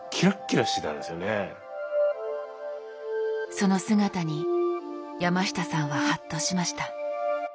その姿に山下さんはハッとしました。